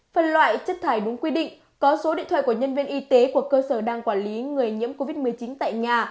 phân loại chất thải đúng quy định có số điện thoại của nhân viên y tế của cơ sở đang quản lý người nhiễm covid một mươi chín tại nhà